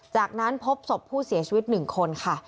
จากนั้นพบศพผู้เสียชีวิต๑คนค่ะ